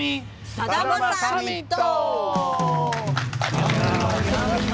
「さだまサミット」！。